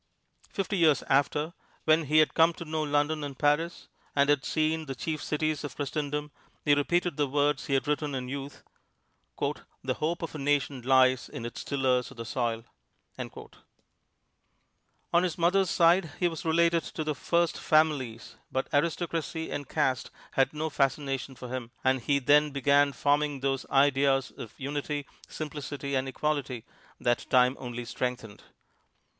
Fifty years after, when he had come to know London and Paris, and had seen the chief cities of Christendom, he repeated the words he had written in youth, "The hope of a nation lies in its tillers of the soil!" On his mother's side he was related to the "first families," but aristocracy and caste had no fascination for him, and he then began forming those ideas of utility, simplicity and equality that time only strengthened.